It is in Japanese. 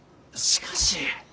しかし。